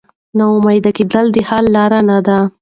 نا امیده کېدل د حل لاره نه ده.